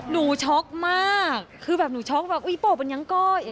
ช็อกมากคือแบบหนูช็อกแบบอุ๊ยโปะมันยังก้อย